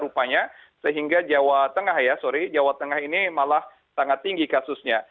rupanya sehingga jawa tengah ya sorry jawa tengah ini malah sangat tinggi kasusnya